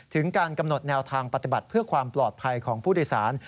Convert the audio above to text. ถึงการกำหนดแนวทางปฏิบัติเพื่อความปลอดภัยของผู้โดยสาร